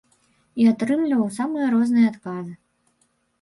І атрымліваў самыя розныя адказы.